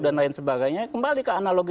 dan lain sebagainya kembali ke analogi